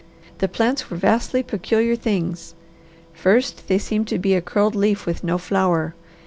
The plants were vastly peculiar things. First they seemed to be a curled leaf with no flower.